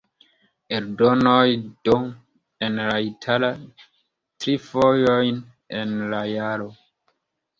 Eldonoj D, en la itala, tri fojojn en la jaro.